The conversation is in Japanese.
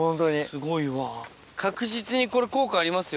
すごいわ確実にこれ効果ありますよ。